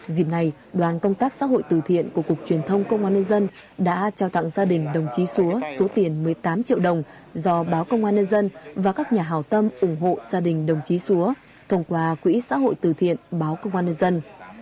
dịp này đoàn công tác xã hội từ thiện của cục truyền thông công an nhân dân đã trao tặng gia đình đồng chí xúa số tiền một mươi tám triệu đồng do báo công an nhân dân và các nhà hào tâm ủng hộ gia đình đồng chí xúa thông qua quỹ xã hội từ thiện báo công an nhân dân